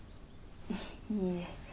いいえ。